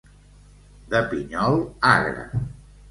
De pinyol agre.